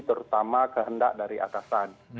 terutama kehendak dari atasan